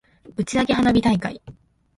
打ち上げ花火大会